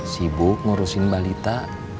sibuk ngurusin balita